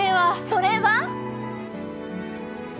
それは？